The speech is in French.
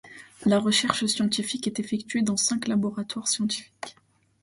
La recherche scientifique est effectuée dans cinq laboratoires scientifiques.